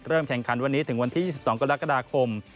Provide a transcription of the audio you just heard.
แข่งขันวันนี้ถึงวันที่๒๒กรกฎาคม